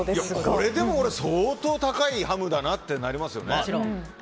これでも相当高いハムだなってなりますよね。